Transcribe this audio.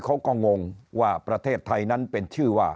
งงว่าประเทศไทยนั้นเป็นชื่อว่า